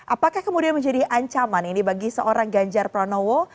apakah kemudian menjadi ancaman ini bagi seorang ganjar pranowo